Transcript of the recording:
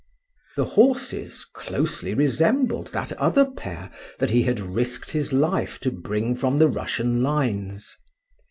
The horses closely resembled that other pair that he had risked his life to bring from the Russian lines.